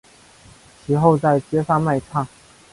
其后在街上卖唱。